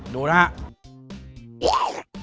ดูนะฮะ